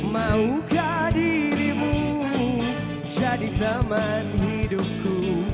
maukah dirimu jadi teman hidupku